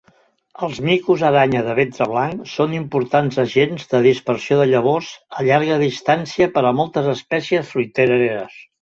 Els micos aranya de ventre blanc són importants agents de dispersió de llavors a llarga distància per a moltes espècies fruiteres.